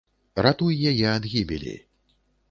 Ратуй яе ад гібелі.